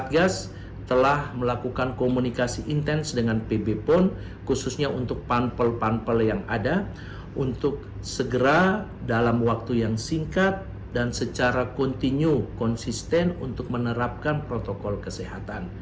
ketika penerbangan kasus itu dilakukan panpel menanggung kegiatan olahraga yang telah dilakukan